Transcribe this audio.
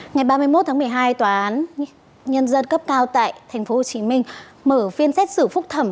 ngày ba mươi một tháng một mươi hai tòa án nhân dân cấp cao tại tp hcm mở phiên xét xử phúc thẩm